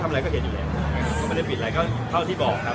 ความต้องไปบิดอะไรก็เท่าที่บอกครับ